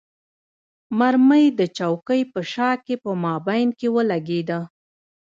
مرمۍ د چوکۍ په شا کې په مابین کې ولګېده.